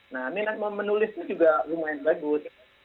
nah minat menulis itu juga lumayan bagus